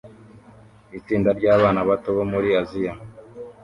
Itsinda ryabana bato bo muri Aziya